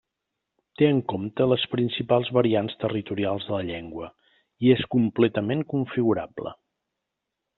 Té en compte les principals variants territorials de la llengua i és completament configurable.